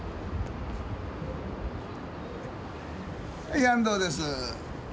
はい安藤です。